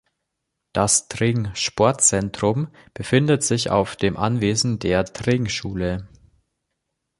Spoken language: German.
Das Tring-Sportzentrum befindet sich auf dem Anwesen der Tring-Schule.